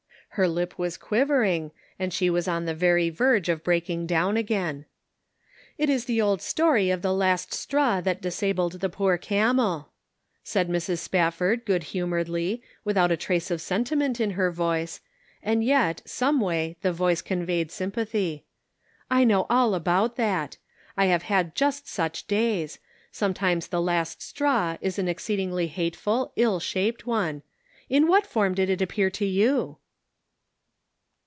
Her lip was quivering, and she was on the very verge of breaking down again. " It is the old story of the last straw that disabled the poor camel," said Mrs. Spafford, good humoredly, without a trace of sentiment in her voice, and yet, someway, the voice con veyed sympathy. "I know all about that. I have had just such days ; sometimes the last straw is an exceedingly hateful, ill shaped one. In what form did it appear to you?"